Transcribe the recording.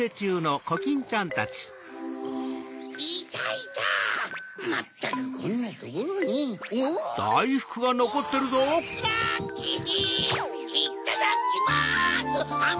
いっただっきます！